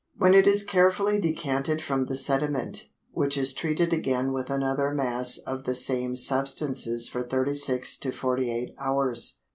when it is carefully decanted from the sediment, which is treated again with another mass of the same substances for thirty six to forty eight hours.